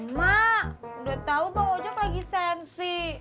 mak udah tau pak mojak lagi sensi